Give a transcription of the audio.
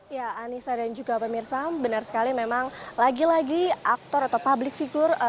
ya anissa dan juga pemirsa benar sekali memang lagi lagi aktor atau public figure